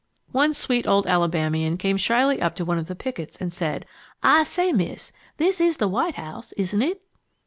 One sweet old Alabamian came shyly up to one of the pickets and said, "I say, Miss, this is the White House, isn't it?"